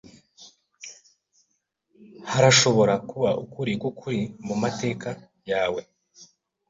Harashobora kuba ukuri kwukuri mumateka yawe.